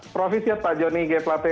provisiat pak joni g plate